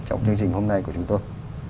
trong chương trình hôm nay của chúng tôi